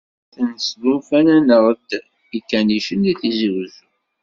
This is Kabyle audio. Atan snulfan-aɣ-d ikanicen di Tizi-Wezzu.